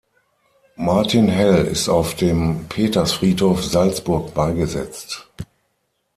Martin Hell ist auf dem Petersfriedhof Salzburg beigesetzt.